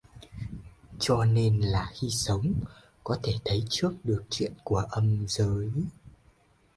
Cho nên là khi sống có thể thấy trước được chuyện của âm giới